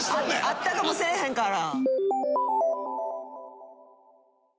あったかもせえへんから。